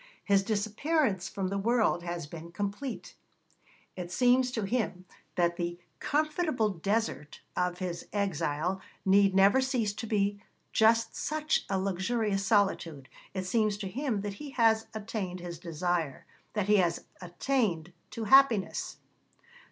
His disappearance from the world has been complete; it seems to him that the 'comfortable desert' of his exile need never cease to be just such a luxurious solitude; it seems to him that he has attained his desire, that he has attained to happiness.